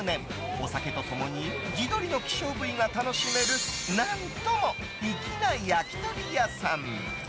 お酒と共に地鶏の希少部位が楽しめる何とも粋な焼き鳥屋さん。